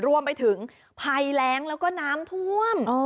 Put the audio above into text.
รวมไปถึงภัยแรงแล้วก็น้ำท่วม